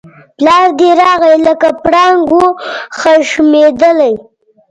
پلار دی راغی لکه پړانګ وو خښمېدلی